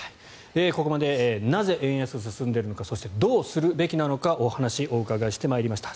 ここまでなぜ、円安が進んでいるのかそしてどうするべきなのかお話をお伺いしてまいりました。